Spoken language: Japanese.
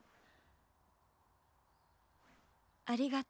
ありがと。